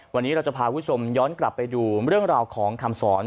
วันนี้เราจะพาคุณผู้ชมย้อนกลับไปดูเรื่องราวของคำสอน